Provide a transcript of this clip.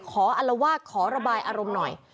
โดนฟันเละเลย